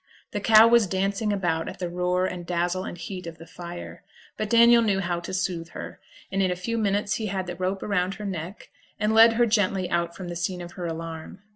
The cow was dancing about at the roar, and dazzle, and heat of the fire; but Daniel knew how to soothe her, and in a few minutes he had a rope round her neck, and led her gently out from the scene of her alarm.